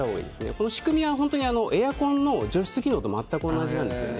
この仕組みはエアコンの除湿機能と全く同じなんですよ。